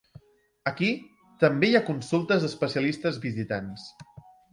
Aquí també hi ha consultes d'especialistes visitants.